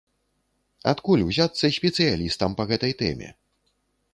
Адкуль узяцца спецыялістам па гэтай тэме?